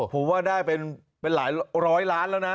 ผมว่าได้เป็นหลายร้อยล้านแล้วนะ